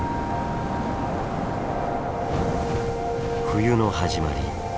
冬の始まり。